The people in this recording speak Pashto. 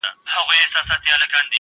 هغه خاموسه شان آهنگ چي لا په ذهن کي دی,